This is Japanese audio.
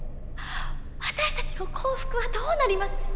私たちの幸福はどうなります。